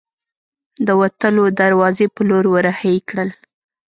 د وتلو دروازې په لور ور هۍ کړل.